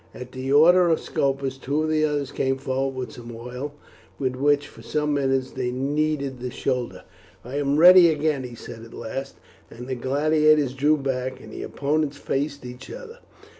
At the order of Scopus two of the others came forward with some oil, with which for some minutes they kneaded his shoulder. "I am ready again," he said at last, and the gladiators drew back, and the opponents faced each other.